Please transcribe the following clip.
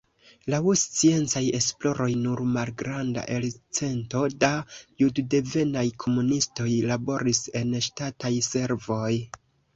Laŭ sciencaj esploroj nur malgranda elcento da juddevenaj komunistoj laboris en ŝtataj servoj.